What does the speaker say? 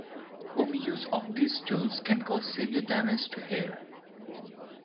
Overuse of these tools can cause severe damage to hair.